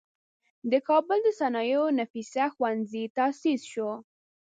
د کابل د صنایعو نفیسه ښوونځی تاسیس شو.